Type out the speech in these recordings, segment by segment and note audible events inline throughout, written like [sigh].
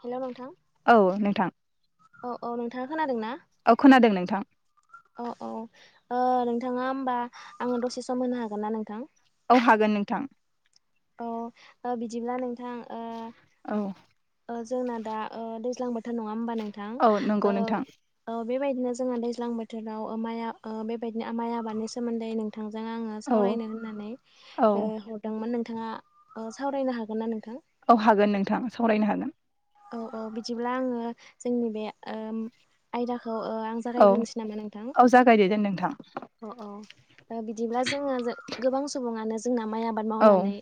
Hello नोंथां। औ नोंथां। औ औ नोंथाङा खोनादोंना औ खोनादों नोंथां औ औ। नोंथाङा होमबा आंङो दसे सम होनो हागोनना नोंथां। औ हागोन नोंथां। औ बिदिब्ला नोंथां। ओ औ। जोंना दा दैज्लां बोथोर नंङा होमबा औ नंगौ नोंथां। बेबायदिनो जोंहा दैज्लां बोथोराव माइ बेबायदिनो माइ आबादनि सोमोन्दै नोंथांजों आंङो औ सावरायनो होननानै औ हरदोंमोन नोंथाङा सावरायनो हागोनना नोंथां। औ हागोन नोंथां सावरायनो हागोन। औ औ बिदिब्ला आंङो जोंनि बे आयदाखौ औ आं औ जागायग्रोनोसै नामा नोंथां। औ जागायदो दे नोंथां अ औ बिदिब्ला जोंङो गोबां सुबुंङानो जोंना माइ आबाद औ मावनानै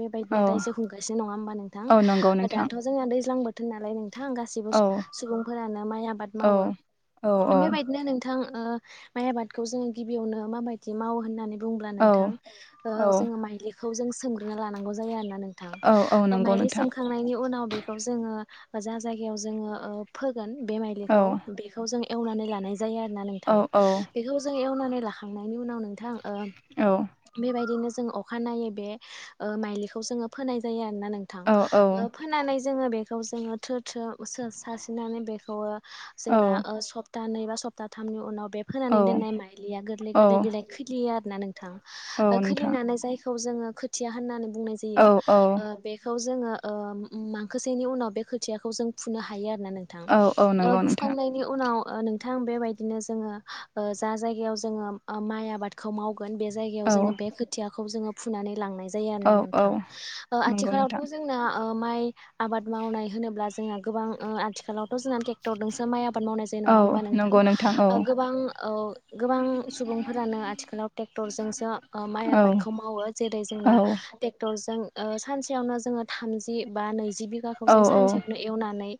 बेबायदिनो औ दायो जिउ खुंगासिनो नंङा होमबा नोंथां औ नंगौ नोंथां दाथ' जोंना दैज्लां बोथोर नालाय नोंथां गासिबो औ सुबुंफोरानो माइ आबाद औ मावो औ बेबायदिनो नोंथां गमाइ आबादखौ जोंङो गिबियावनो माबायदि मावो होननानै बुंब्ला औ नोंथां औ जोंङो माइलिखौ जों सोमग्रोनो लानांगौ जायो आरोना। औ औ नोंथां नंगौ माइलि नोंथां सोमखांनायनि उनाव बेखौ जोंङो जा जायगायाव जोंङो फोगोन औ औ औ [unintelligible] एवनानै लाखांनायनि उनाव नोंथां औ बेबायदिनो अखानायै बे मायलिखौ जोंङो फोनाय जायो आरोना नोंथां औ फोननानै बिखौ जोंङो थ्रो थ्रो सास्रिनानै बेखौ औ जोंना सब सप्तानैै बा स्ताथामनि उनाव बे औ फोनानै दोननाय माइलिया गोरलै औ गोरलै बिलाइ खोलियो आरोना नोंथां। औ नोंथां खिलिनानै जायखौ जोंङो खोथिया होननानै बुंनाय औ जायो। औ जोंङो माखोसेनि उनाव बे खोथियाखौ जों फुनो हायो आरो। ना नोंथां औ औ नंगौ नोंथां फुखांनायनि उनाव नोंथां बेबायदिनो जोंङो जा जायगायाव जोंङो माइ आबादखौ माव बे जायगायाव औ जोंङो बे खोथियाखौ जोंङो फुनानै लांनाय जायो आरोना औ औ नोंथां नंगौ नोंथां आथिखालावथ जों माइ आबाद मावनाय होनोब्ला जोंहा गोबां आथिखालावथ जोंना ट्रेक्टरजोंसो माइ आबाद मावनाय जायो औ नंङा होमबा नोंथां नंगौ औ गोबां गोबां सुबुंफोरानो आथिखालाव ट्रेक्टरजोंसो माइ औ आबादखौ मावो जेरै जोंना औ ट्रेक्टरजों सानसेयावनो जोंङो थामजि बा नै जि बिगाखौ औ जों सानसेयावनो एवनानै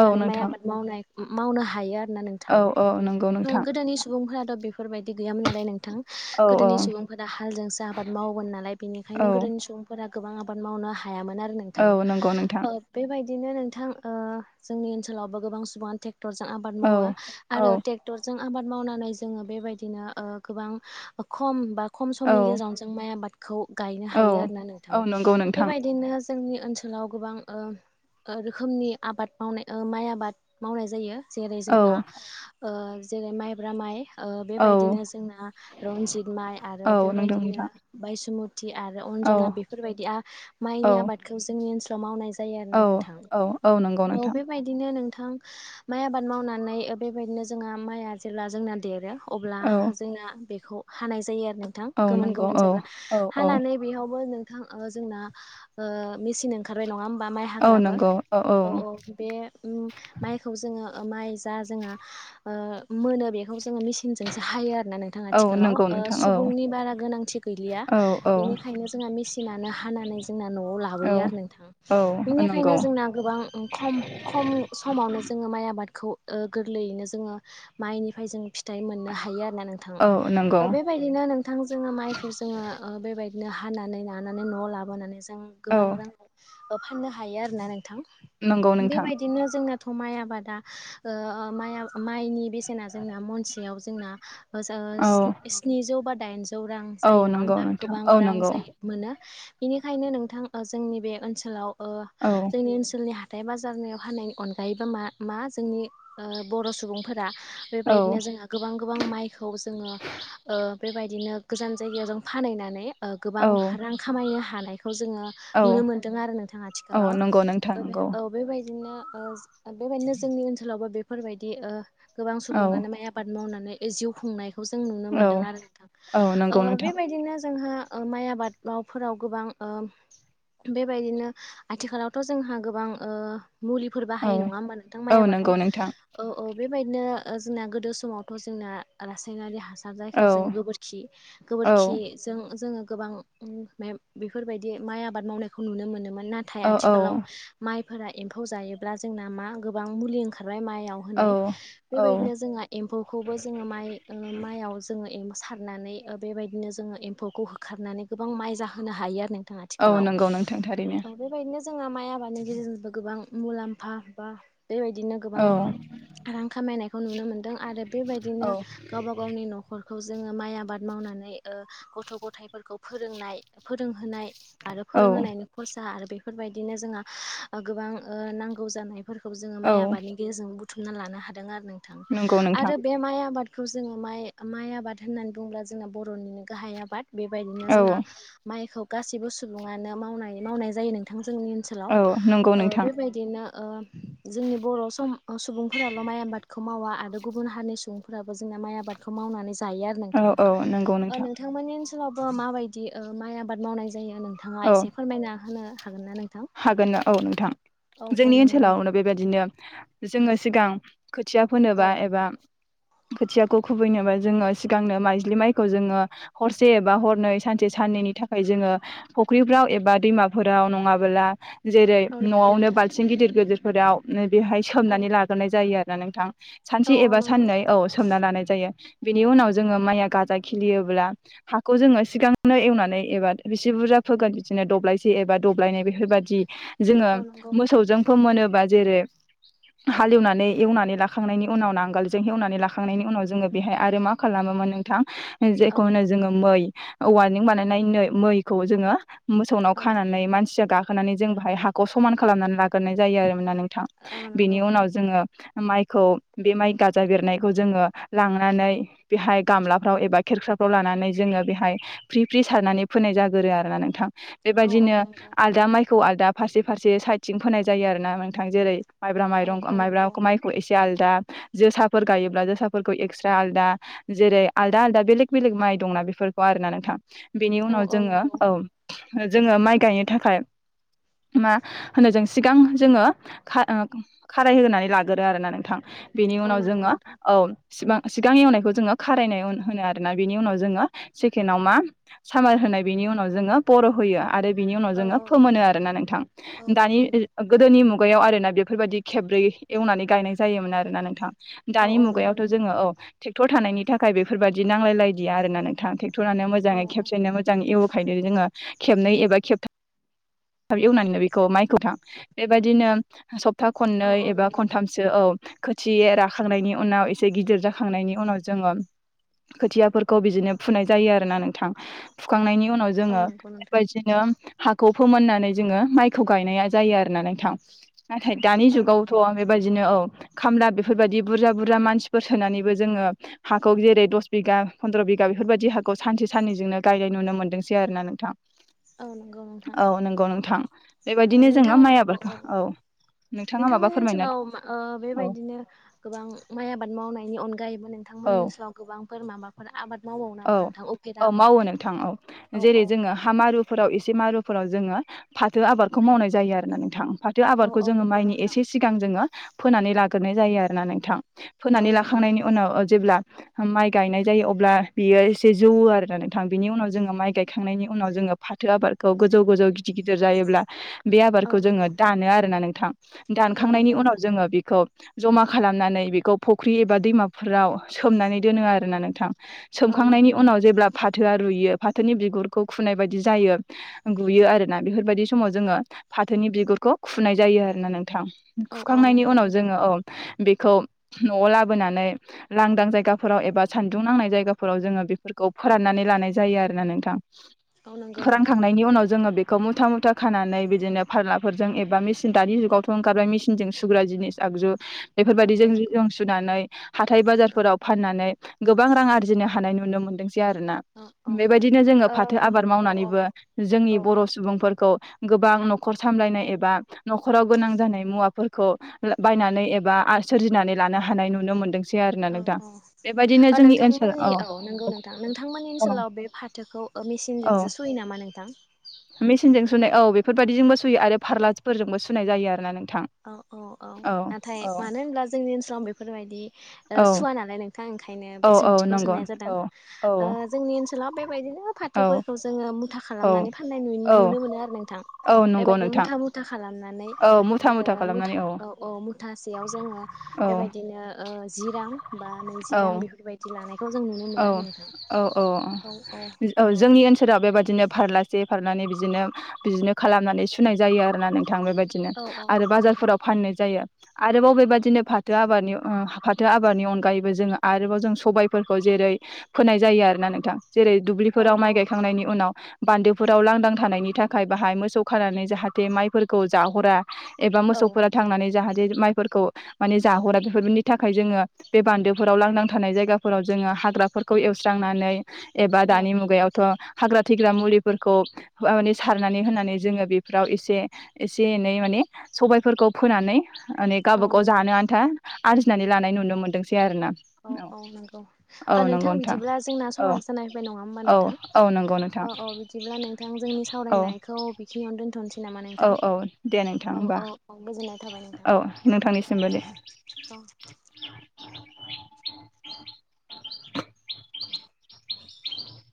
औ माइ नोंथां आबाद मावनाय मावनो हायो आरो। औ नोंथां औ नंगौ नोंथां गोदोनि सुबुंफोराथ बे बेफोरबायदि गैयामोन नालाय नोंथां औ औ गोदोनि सुबुंफोरा हालजोंसो आबाद मावोमोन नालाय औ बेनिखायनो गोदोनि सुबुंफोरा गोबां आबाद मावनो हायामोन आरो औ नोंथां नंगौ नोंथां बेबाय बिदिनो नोंथां जोंनि ओनसोलावबो गोबां सुबुङानो टेक ट्रेक्टर जों आबाद औ मावो औ आरो ट्रेक्टरजों आबाद मावनानै जोंङो बेबायदिनो गोबां खमबा खम औ समनि गेजेरावनो जों माइ आबाद खौ गायनो औ हायो आरोना औ नोंथाङा नंगौ नोंथां बेबायदिनो जोंनि ओनसोलाव गोबां रोखोमनि आबाद मावनाय माइ आबाद मावनाय जायो। जेरै औ जोंना जेरै माइब्रा माइ। औ बेबायदिनो जोंना रन्जित माइ आरो औ नंगौ बेबायदिनो नोंथां बायसुमुथि थि आरो औ अनजना बेफोरबायदि आ औ माइनि आबादखौ जोंनि ओनोलाव मावनाय जायो औ आरोना नोंथां औ बेबायदिनो नों थां माइ आबाद मावनानै बेबायदिनो जोंहा माइआ जेला जोंना देरो अब्ला औ जोंना बेखौ हानाय जायो आ नोंथां औ गोमोन नंगौ गोमोन औ जाब्ला औ औ हानानै बेहावबो नोंथां ओ जोंना ओ मेसिन ओंखारबाय नङा होमबा माइ हाग्राबो औ औ बे उम माइखौ जोङो ओ माइ जा जोंहा ओ मोनो बेखौस जोङो मिसिनजोंसो हायो आरोना नोंथां औ आथिखालाव नंगौ ओ नोंथां औ सुबुंनि बारा गोनांथि गैलिया औ औ बेनिख खायनो जोङा मेसिनानो हानानै जोंना न'आव औ लाबोयो आरो नोंथां। औ नंगौ बेनिखायनो जोंना गोबां खम खम समावनो जोङो माइ आ बादखौ ओ गोरलैयैनो जोङो माइनिफ्राय जों फिथाइ मोननो हायो आ ना नोंथां औ नंगौ ओ बेबायदिनो नोंथां जोङो माइखौ जोङो ओ बेबाय नो हानानै नानानै न'आव लाबोनानै जों औ गोबां रां ओ फाननो हायो आरोना नोंथां नंगौ नोंथां बेबायदिनो जोंनाथ' माइ आबादा ओ माइ आ माइनि बेसेना जोंना मनसेयाव जोंना ओ जा औ स्नि-स्निजौ बा दाइनज जौ रां औ जायो नङा नंगौ होमबा नोंथां गोबां औ रां नंगौ जायो मोनो बेनिखायनो नोंथां ओ जोंनि बे ओनसोलाव ओ औ जोंनि ओनसोलनि हा थाइ बाजारनियाव हानायनि अनगायैबो मा-मा जोंनि ओ बर' सुबुंफोरा औ बेबायदिनो जोंहा गोबां गोबां माइखौ जोङो ओ बेबायदिनो गोजान जायगायावाजों फानहैनानै ओ गोबां औ रां खामायो हानाय औ जोङो नुनो औ मोनदों आरो नोंथां औ आथिखालाव नंगौ नोंथां ओ बे नंगौ औ बेबाय दिनो ओज बेबायदिनो जोंनि ओनसोलावबो बेफोरबायदि ओ गोबां औ सुबुङानो माइ आबाद मावना नै जिउ खुंनाय जों नुनो औ मोनदों आरो नोंथां औ नंगौ ओ नोंथां बेबायदिनो जोंहा ओ माइ आबाद मावफोराव गोबां ओम बेबायदिनो आथिखालावथ' जोंहा गोबां ओ मुलिफोर औ बाहायो नङा होमबा नोंथां औ माइ आबादाव नंगौ नोंथां औ औ बेबायदिनो ओ जोंना गोदो समावथ' जोंना रासायनारि हास सार औ जायखौ जोङो औ गोबोरखि-गोबोरखिजों जोङो गोबां [unintelligible] बेफोरबायदि माइ आबाद मावनायखौ नुनो मोनोमोन नाथाय औ औ आथिखालाव माइ फोरा एम्फौ जायोब्ला जोंना मा गोबां मुलि ओंखार बाय माइआव औ होनाय औ बेबायदिनो जोंङा एम्फौखौबो जों माइ ओ मायाव जोङो [unintelligible] फारनानै ओ बेबायदिनो जोङो एम्फौखौ होखारनानै गोबां माइ जाहोनो हायो आरो नोंथां आथिखालाव गौ नोंथां थारैनो औ बेबायदिनो जोंहा माइ आबादनि गेजेरजोंबो गोबां मुलाम्फा बा बेबायदिनो गोबां औ रां खामायनायखौ नुनो मोन्दों आरो बेबायदिनो औ गावबा गावनि न'खर जोङो माइ आबाद मावनानै गथ' गथायफोरखौ फोरोंनाय फोरोंहोनाय आरो औ फोरोंहोनायनि खरसा आरो बेफोरबायदिनो जोंहा गोबां नांगौ जानाय फोरखौ जोङो औ माइ आबादनि गेजेरजों बुथुमना लानो हादों आरो नोंथां नंगौ नोंथां आरो बे माइ आबाद खौ जोङो माइ-माइ आबाद होननानै बुङोब्ला जोंना बर'निनो गाहाय आबाद। बेबायदिनो औ जोंहा माइखौ गासैबो सुबुङानो मावनाय-मावनाय जायो नोंथां। जोंनि ओनसोलाव औ नंगौ ओ नोंथां बेबायदिनो ओ जोंनि बर' सम सुबुंफोराल' माइ आबादखौ मावा आरो गुबुन हारिनि सुबुं फोराबो जोंना माइ आबादखौ मावनानै जायो आरो औ नोंथां औ नंगौ ओ नोंथां नोंथांमोननि ओनस सोलावबो माबायदि ओ माइ आबाद मावनाय जायो नोंथाङा औ एसे फोरमायना होनो हागोन ना नोंथां? हागोन ना औ नोंथां औ औ जोंनि नंगौ नोंथां ओनसोलावनो बेबायदिनो जोङो सिगां खोथिया औ फोनोबा एबा [unintelligible] खोथियाखौ खुबैनोबा जोङो सिगांनो माइज्लि माइखौ जोङो हरसे एबा हरनै सानसे साननैनि थाखाय जोङो फुख्रिफ्राव एबा दैमाफोराव नङाब बोला जेरै औ नंगौ न'आवनो नोंथां बाल्थिं गिदिर गिदिरफोराव नो बेहाय औ सोमनानै लाग्रोनाय जायो आ ना नोंथां औ सानसे औ एबा नंगौ साननै औ सोमना लानाय जायो बेनि उनाव जोङो माइया गाजा खिलियोब्ला हाखौ जोङो सिगांनो एवनानै एबा बिसि बुरजा फोगोन बिदिनो दब्लायसे एबा दब्लायनै बेफोरबादि जोङो औ नंगौ मोसौजों फोमोनोबा जेरै हालेवनानै एवनानै लाखांनायनि उनाव नांगोलजों एवनानै लाखांनायनि उनाव जोङो बेहाय आरो मा खालामो मोन नोंथां औ जेखौ होनो जोङो मै औवानजों बानायनाय नै मैखौ जोङो मोसौनाव औ खानानै मानसिया गाखोनानै जों बाहाय हाखौ समान खालामनानै लाग्रोनाय जायो आरोमोन ना थां औ बेनि नंगौ उनाव जोङो माइखौ बे माइ गाजा बेरनायखौ जोङो लांनानै बेहाय गामलाफ्राव एबा खेरखा फ्राव लानानै जोङो बेहाय फ्रि फ्रि सारनानै फोनाय जागोरो आरोना नोंथां औ औ बेबायदिनो नंगौ आलदा माइखौ आलदा फारसे फारसे साइदथिं फोनाय जायो आरो ना नोंथां जेरै माइब्रा औ माइरं औ नंगौ माइब्राखौ माइखौ एसे आलदा जोसाफोर गायो जोसाफोरखौ एखस्रा आदा जेरै आलदा आलदा बेेलेग बेलेग मा दंना बेफोरखौ आरोना नोंथ बेनि औ उनाव जोङो नंगौ औ जोङो माइ गाय थाखाय मा होनो जों सिगां जोङो खा ओ खारायहोनै लागोरो आरोना नोंथां बेनि औ उनाव नंगौ जोङो नोंथां औ सिमां सिगां एवनायखौ जोङो खारायनाय होनो आरोना बेनि उनाव जोङो सेकेण्डाव मा सामार हो बिनि उनाव जोङो बर' होयो आरो बि औ जोङो औ फोमोनो आरो ना नोंथां औ औ दानि नंगौ गोदोनि मु गायाव आरोना बेफोरबायदि खेब्रै एवनानै गायनाय जायोमोन आरो ना नोंथां औ दानि औ नंगौ मुगायावथ' नोंथां जोङो औ थे ट्रेक्टर थानायनि थाखाय बेफोरबायाददि नांलायदिया आर नोंथां ट्रेक्टरानो औ मोाङै खेबसेैनो मोजाङ एवखायनो जों ओ खेबनै एबा खेबथाम एवनानैनो बेखौ माइखौ थां बेबायदिनो सप्ता खननै औ औ एबा नंगौ खनथामसो औ खोथियाया राखांनायनि उनाव एसे गिदिर जाखांनायनि उनाव जोङो खोथियाफोरखौ बिदिनो फुनाय जायो आरो ना नोंथां फु खांनायनि उनाव औ जोङो नंगौ नोंथां। बेबायदिनो हाखौ फोमोननानै जोङो माइखौ गायनाया जायो आरो ना नोंथां नाथाय दानि औ नंगौ जुगावथ'आ बेबायदिनो औ खामला बेफोरबायदि बुरजा बुरजा मानसिफोर सोनानैबो जोङो हाखौ जेरै दस बिघा फन्द्र' बि बिगा बेफोरबायदि हाखौ सानसे साननजोंनो गायनाय नुनो मोन्दोंसै आरो ना नोंथां औ नंगौ नोंथां औ नंगौ नोंथां बेबायदिनो जोंना माइ आबाद औ नोंथाङा माबा नोंथांमोननि फोरमायना ओनसोलाव ओ औ बेबायदिनो गोबां माइ आबाद मावनायनि अनगायैबो नोंथांमोननि औ ओनसलाव गोबांफोर माबाफोर आबाद मावबावो औ नामा नोंथां उफेरा औ आबाद? मावो नोंथां औ औ जेरै औ जोङो हा मारुफोराव एसे मारु फोराव जोङो फाथो आबादखौ मावनाय जायो आरोना नोंथां फाथो औ आबादखौ औ जोङो नंगौ माइनि नोंथां एसे सिगां जोङो फोनानै लाग्रोनाय जायो आरोना नोंथां औ फोनानै नंगौ लाखांनायनि नोंथां उनाव जेब्ला माइ गायनाय जायो अब्ला बियो एसे जौ आरोना नोंथां बिनि उनाव जोङो माइ गायखांनायनि उनाव जोङो फाथो आबादखौ गोजौ गोजौ गि गिद गिदिर जायोब्ला बे औ आबारखौ नंगौ जोङो दानो आरोना नों औ दानखांनायनि नंगौ उनाव नोंथां जोङो बेखौ जमा खालामनानै बेखौ फुख्रि एबा दैमाफोराव सोमनानै दोनो आरोना नोंथां औ नंगौ सोमखांनायनि उनाव नोंथां जेब्ला फा फाथोआ रुइयो फाथोनि बिगुरखौ खुनाय बायदि जायो गुयो आरोना बेफोरबायदि समाव जोङो फाथोनि बिगुरखौ खुनाय जायो आरोना नोंथां औ औ खुखांनायनि नंगौ उनाव नोंथां जोङो औ बेखौ न'आव लाबोनानै लांदां जायगाफोराव एबा सान्दुं नांनाय जायगा फोराव जोङो बेफोरखौ फोराननानै लानाय जायो आरोना नोंथां औ नंगौ नोंथां फोरानखांनायनि उनाव जोङो बे खौ मुथा मुथा खानानै बिदिनो फारलाफोरजों एबा मिसिन दानि जुगावथ' ओंखारबाय मेसिनजों सुग्रा जिनिस आगजु बेफोरबायदि नंगौ नंगौ जों सुनानै हाथाय औ बाजारफोराव फाननानै गोबां रां आरजिनो हायो नुनो मोनदों। आरोना औ औ बेबायदिनो जोङो ओ फाथो आबाद औ मावनानैबो जोंनि औ बर' सुबुंफोरखौ गोबां न'खर सामलायनाय एबा न'खराव गोनां जानाय मुवा खौ बायनानै एबा सोरजिनानै लानो हानाय नुनो मोनदों। सै आरोना औ नोंथां औ बेबायदिनो ओ जोंनि ओनसोलाव नोंथांमोननि औ नोंगौ नोंथां नोंथांमोननि ओनसोलाव बे फाथोखौ औ मेसिनजोंसो सुयो नामा नोंथां। मेसिनजों सुनाय औ बेफोरबायाददिजोंबो सुयो आरो फारलाफोरजोंबो सुनाय जायो आरोना नों औ औ औ नाथाय मानो होनब्ला जोंनि ओनसोलाव बेफोरबायादि औ सुवा नालाय नों थां ओंखायनो औ बे औ सोंथिखौ नंगौ सोंनाय जादों औ औ जोंनि ओनसोलाव बेबायदिनो औ फाथोफोरखौ जोङो मुथा औ खालामनानै फाननाय औ नुनो मोनो आरो नोंथां औ नंगौ बेबायदिनो नोंथां मुथा मुथा खालाम औ मुथा औ औ मुथासेयाव जोङो औ बेबायदिनो जि रां बा नै बेसे औ रां बेफोरबायदि लानायखौ जों नुनो औ मोनो आरो नोंथां। औ औ औ जोंनि ओनसोलाव बेबादिनो फारलासे खारनानै बिदिनो बिदिनो खालामनानै सुनाय जायो आरोना नोंथां थां बेबायदिनो औ औ आरो नंगौ नोंथां बाजारफोराव फाननाय जायो। आरोबाव बेबायदिनो फाथो आबादनि फाथो आबादनि अनगायैबो जोङो आरोबाव जों सबायफोरखौ जे जेरै फोनाय जायो आरो ना नोंथां जेरै औ दुब्लिफोराव माइ औ गायखांनायनि उनाव बान्दोफोराव लांदां थानायनि थाखाय बाहाय मोसौ खानानै जाहाथे माइफोरखौ जाहरा एबा औ मोसौफोरा थांनानै जाहाथे माइ‌ फोरखौ माने जाहरा बेफोरनि थाखाय जोङो बे बान्दोफोराव लांदां थानाय जायगाफोराव जोङो हाग्रा फोरखौ एवस्रांनानै एबा औ दानि मुगायावथ' हाग्रा थैग्रा मुलिफोरखौ माने सारनानै होनानै जोङो बेफोराव एसे एसे एनै माने सबायफोरखौ फोनानै मानै औ गावबागाव नंगौ जानो आन्था आरजिनानै लानाय नुनो मोनदोंसै। आरोना औ औ नंगौ औ औ नोंथां नंगौ बिदिब्ला जोंना औ समाबो जाना फैबाय नङा होमबा औ नोंथां। औ नंगौ नोंथां औ औ बिदिब्ला नोंथां जोंनि औ सावरायनायखौ बेखिनियावनो दोनथ'नोसै नामा औ नोंथां औ दे नोंथां औ होमबा औ औ गोजोननाय थाबाय औ नोंथांनिसिमबो दे नोंथां औ [inaudible] [inaudible] [inaudible]